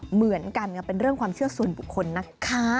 เหมือนกันเป็นเรื่องความเชื่อส่วนบุคคลนะคะ